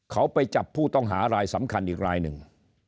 เขาไปจับผู้ต้องหารายสำคัญอีกรายหนึ่ง